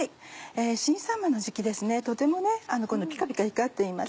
新さんまの時期ですねとてもピカピカ光っています。